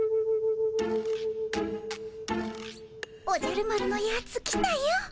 おじゃる丸のやつ来たよ。